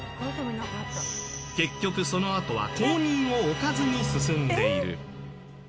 結局、そのあとは後任を置かずに進んでいる。